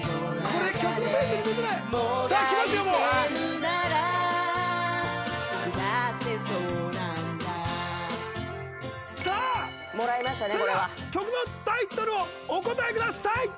それでは曲のタイトルをお答えください！